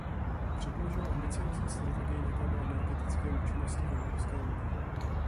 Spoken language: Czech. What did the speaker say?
Předložil ambiciózní strategii na téma energetické účinnosti v Evropské unii.